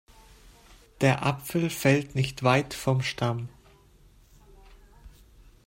Der Apfel fällt nicht weit vom Stamm.